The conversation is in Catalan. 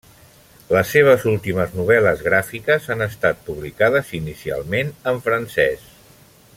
Les seves últimes novel·les gràfiques han estat publicades inicialment en francès.